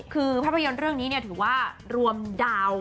คือภาพยนตร์เรื่องนี้ถือว่ารวมดาว